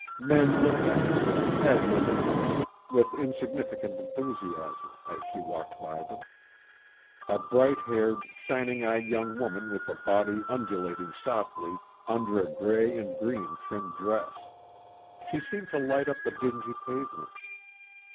Men looked at her with casual interest, with insignificant enthusiasm, as she walked by them. A bright haired, shining eyed young woman with a body undulating softly under a grey and green trimmed dress; she seemed to light up the dingy pavements.